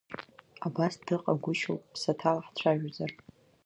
Абас дыҟагәышьоуп ԥсаҭала ҳцәажәозар.